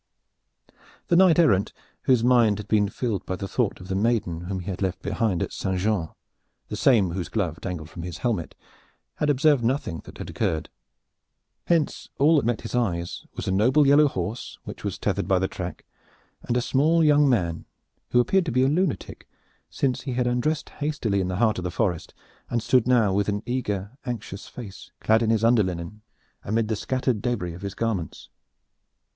The knight errant, whose mind had been filled by the thought of the maiden whom he had left behind at St. Jean the same whose glove dangled from his helmet had observed nothing that had occurred. Hence, all that met his eyes was a noble yellow horse, which was tethered by the track, and a small young man, who appeared to be a lunatic since he had undressed hastily in the heart of the forest, and stood now with an eager anxious face clad in his underlinen amid the scattered debris of his garments.